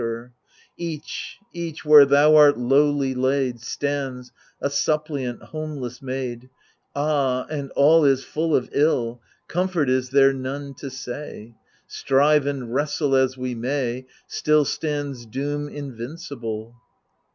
Each, each, where thou art lowly laid, Stands, a suppliant, homeless made : Ah, and all is full of ill. Comfort is there none to say ! Strive and wrestle as we may, Still stands doom invincible.